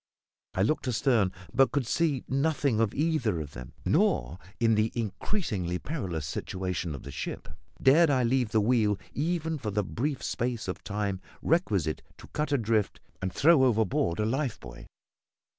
I looked astern, but could see nothing of either of them; nor, in the increasingly perilous situation of the ship, dared I leave the wheel even for the brief space of time requisite to cut adrift and throw overboard a life buoy.